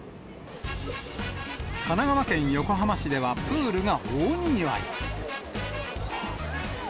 神奈川県横浜市ではプールが大にぎわい。